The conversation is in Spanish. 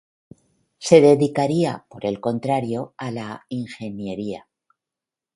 Se dedicaría, por el contrario, a la ingeniería.